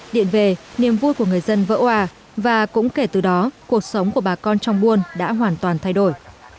điện về niềm vui của người dân vỡ hòa và cũng kể từ đó cuộc sống của bà con trong buôn đã hoàn toàn thay đổi